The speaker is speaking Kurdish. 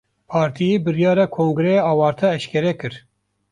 Partiyê, biryara kongreya awarte eşkere kir